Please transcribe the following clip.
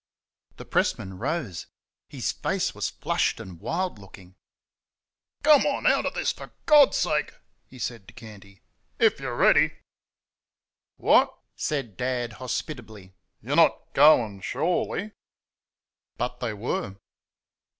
The pressman rose. His face was flushed and wild looking. "Come on out of this for God's sake!" he said to Canty "if you're ready." "What," said Dad, hospitably, "y're not going, surely!" But they were.